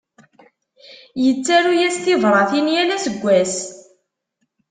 Yettaru-yas tibratin yal aseggas.